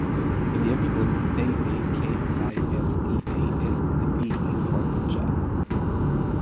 In the acronym "P-A-K-I-S-T-A-N", the P is for "Punjab".